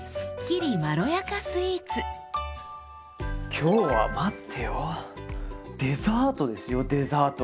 今日は待ってよデザートですよデザート！